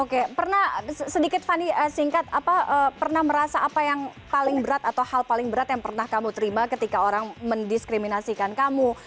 oke pernah sedikit fanny singkat pernah merasa apa yang paling berat atau hal paling berat yang pernah kamu terima ketika orang mendiskriminasikan kamu